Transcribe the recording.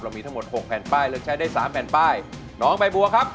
มีทั้งหมดหกแผ่นป้ายเลือกใช้ได้สามแผ่นป้ายน้องใบบัวครับ